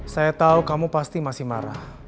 saya tahu kamu pasti masih marah